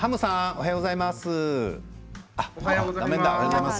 おはようございます。